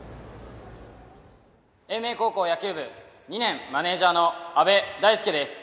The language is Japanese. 英明高校野球部２年マネージャーの阿部大輔です。